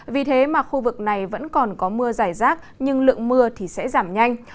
vì thế mà khu vực này vẫn còn có mưa giải rác nhưng lượng mưa thì sẽ giảm nhanh